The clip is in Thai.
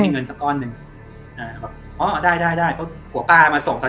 มีเงินสักก้อนหนึ่งอ่าบอกอ๋อได้ได้ได้พ่อป้ามาส่งตอน